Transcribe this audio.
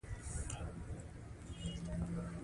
په کار کي باید صداقت شتون ولري.